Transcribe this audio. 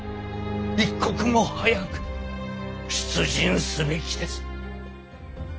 一刻も早く出陣すべきです。